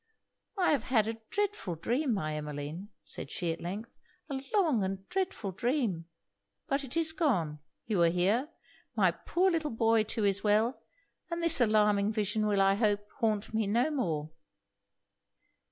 'I have had a dreadful dream, my Emmeline,' said she, at length 'a long and dreadful dream! But it is gone you are here; my poor little boy too is well; and this alarming vision will I hope haunt me no more.'